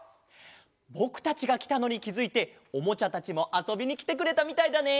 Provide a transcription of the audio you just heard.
ぼくたちがきたのにきづいておもちゃたちもあそびにきてくれたみたいだね！